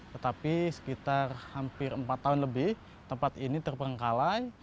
tetapi sekitar hampir empat tahun lebih tempat ini terperengkalai